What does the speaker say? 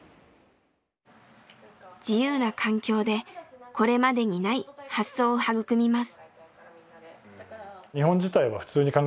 自由な環境でこれまでにない発想を育みます。